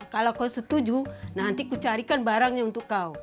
kalau kau setuju nanti ku carikan barangnya untuk kau